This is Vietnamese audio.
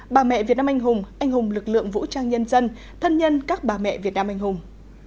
bà mẹ việt nam anh hùng anh hùng lực lượng vũ trang nhân dân thân nhân các bà mẹ việt nam anh hùng